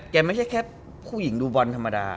ไม่ใช่แค่ผู้หญิงดูบอลธรรมดา